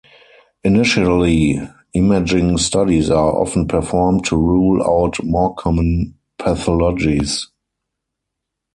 Initially, imaging studies are often performed to rule out more common pathologies.